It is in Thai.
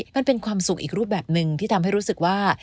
มันเป็นความสุขอีกรูปแบบหนึ่งที่ทำให้รู้สึกว่า